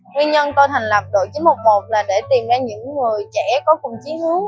nguyên nhân tôi thành lập đội chín một một là để tìm ra những người trẻ có phần chí hướng